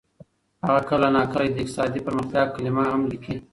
هغه کله ناکله د اقتصادي پرمختیا کلمه هم لیکي.